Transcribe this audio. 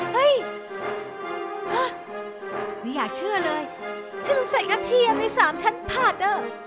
ไม่อยากเชื่อเลยฉันลุกใส่กระเทียมในสามชั้นผัด